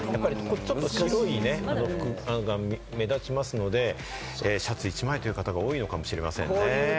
白い服が目立ちますので、シャツ１枚という方が多いのかもしれませんね。